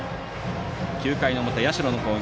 ９回の表、社の攻撃。